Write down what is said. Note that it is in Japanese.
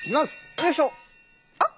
よいしょっ。